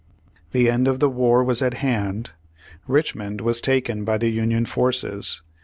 The end of the war was at hand. Richmond was taken by the Union forces.